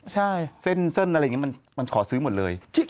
ใช่เส้นอะไรอย่างนี้มันขอซื้อหมดเลย